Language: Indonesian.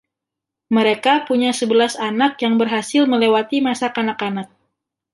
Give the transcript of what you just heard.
Mereka punya sebelas anak yang berhasil melewati masa kanak-kanak.